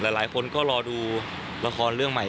หลายคนก็รอดูละครเรื่องใหม่